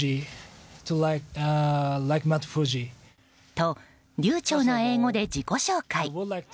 と、流ちょうな英語で自己紹介。